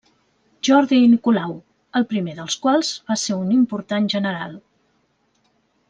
Jordi i Nicolau, el primer dels quals va ser un important general.